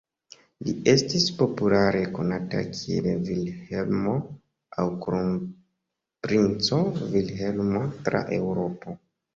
Li estis populare konata kiel Vilhelmo aŭ Kronprinco Vilhelmo tra Eŭropo.